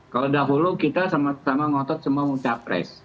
kalau dahulu kita sama sama ngotot semua capres